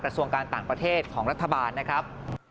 ส่วนการต่างประเทศของรัฐบาลนะครับ